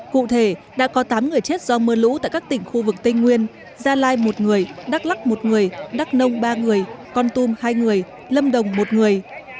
cụ thể đã có tám người chết do mưa lũ tại các tỉnh khu vực tây nguyên gia lai một người đắk lắc một người đắk nông ba người con tum hai người lâm đồng một người